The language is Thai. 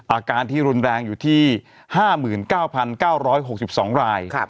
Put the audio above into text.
อาการที่รุนแรงอยู่ที่๕๙๙๖๒ราย